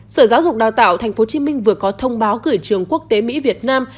sở giáo dục và đào tạo tp hcm vừa có thông báo cử trường quốc tế mỹ việt nam